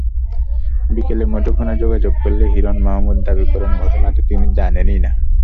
বিকেলে মুঠোফোনে যোগাযোগ করলে হিরন মাহমুদ দাবি করেন, ঘটনাটি তিনি জানেনই না।